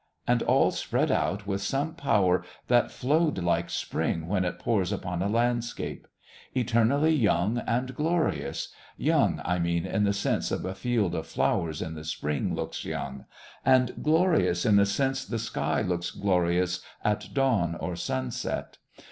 And all spread out with some power that flowed like Spring when it pours upon a landscape. Eternally young and glorious young, I mean, in the sense of a field of flowers in the Spring looks young; and glorious in the sense the sky looks glorious at dawn or sunset.